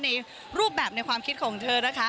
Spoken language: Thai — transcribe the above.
ในรูปแบบในความคิดของเธอนะคะ